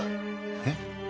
えっ？